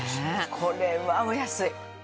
これはお安い。